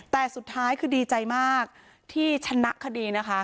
แต่สุดท้ายคือดีใจมากที่ชนะคดีนะคะ